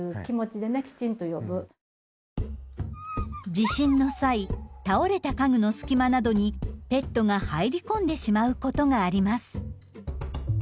地震の際倒れた家具の隙間などにペットが入り込んでしまうことがあります。